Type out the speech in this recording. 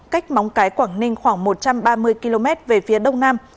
cách móng cái quảng ninh khoảng một trăm ba mươi km về phía đông nam